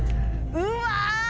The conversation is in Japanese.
うわ！